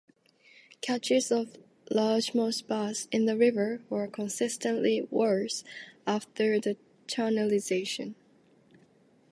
Catches of largemouth bass in the river were consistently worse after the channelization.